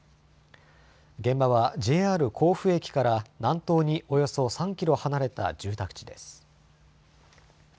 現場はＪＲ甲府駅から南東におよそ３キロ離れた住宅地です。